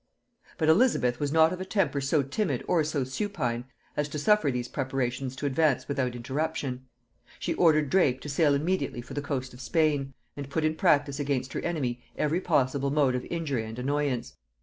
But Elizabeth was not of a temper so timid or so supine as to suffer these preparations to advance without interruption. She ordered Drake to sail immediately for the coast of Spain, and put in practice against her enemy every possible mode of injury and annoyance.